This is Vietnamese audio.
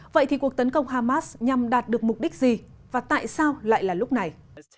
vậy thì cuộc tấn công hamas nhằm đạt được mục đích gì và tại sao lại là lúc này